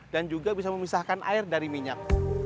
dan juga bisa memisahkan air dari minyak